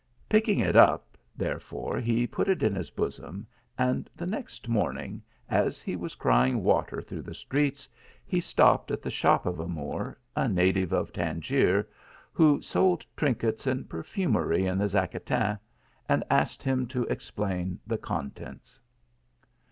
Picking it up, therefore, he put it in his bosom, and the next morning, as he was crying water through the streets, he stopped at the shop of a Moor, a na tive of Tangiers, who sold trinkets and perfumery in the Zacatin, and asked him to explain the contents.